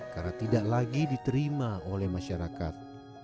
karena tidak lagi diterima oleh masyarakat